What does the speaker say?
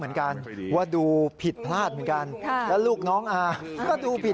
มองเลขศูนย์สุดท้ายเนี่ยตอนลูกค้าออกจากร้านไป